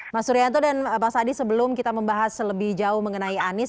mas suryanto dan mas adi sebelum kita membahas lebih jauh mengenai anies